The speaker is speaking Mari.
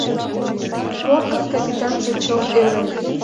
Портын капитанже чылт ӧрӧ.